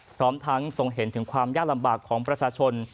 พร้อมทั้งทรงเห็นถึงความยากลำบากของประชาชน